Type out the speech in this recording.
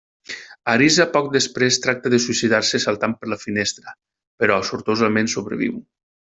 Arisa poc després tracta de suïcidar-se saltant per la finestra, però sortosament sobreviu.